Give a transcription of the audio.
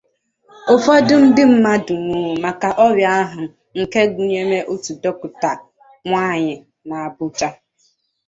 Ụfọdụ ndị mmadụ nwụrụ maka ọrịa ahụ nke gụnyere otu dọkịta nwaanyị na Abuja.